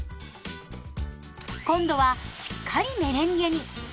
今度はしっかりメレンゲに。